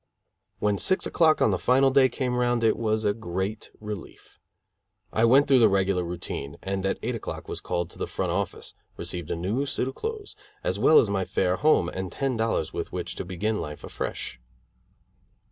When six o'clock on the final day came round it was a great relief. I went through the regular routine, and at eight o'clock was called to the front office, received a new suit of clothes, as well as my fare home and ten dollars with which to begin life afresh.